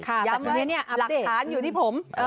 ค่ะยังไม่ได้หลักฐานอยู่ที่ผม